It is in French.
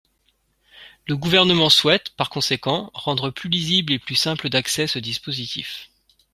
Le Gouvernement souhaite, par conséquent, rendre plus lisible et plus simple d’accès ce dispositif.